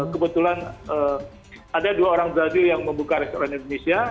kebetulan ada dua orang brazil yang membuka restoran indonesia